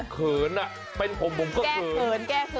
เผินเป็นผมผมก็เผินแก้เผินแก้เผิน